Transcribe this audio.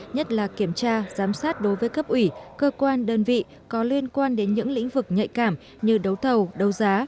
nhất là kiểm tra giám sát đối với cấp ủy cơ quan đơn vị có liên quan đến những lĩnh vực nhạy cảm như đấu thầu đấu giá